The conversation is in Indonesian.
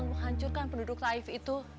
untuk menghancurkan penduduk taif itu